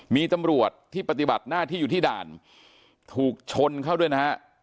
มีตำรวจที่ปฏิบัติหน้าที่อยู่ที่ด่านถูกชนเข้าด้วยนะฮะ